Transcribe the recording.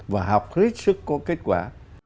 và học hết sức có kết quả